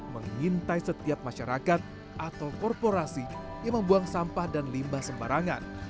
mengintai setiap masyarakat atau korporasi yang membuang sampah dan limbah sembarangan